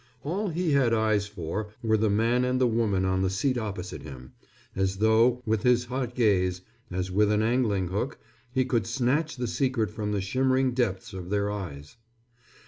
All he had eyes for were the man and the woman on the seat opposite him, as though, with his hot gaze, as with an angling hook, he could snatch the secret from the shimmering depths of their eyes.